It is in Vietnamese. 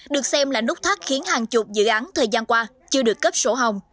được xem là nút thắt khiến hàng chục dự án thời gian qua chưa được cấp sổ hồng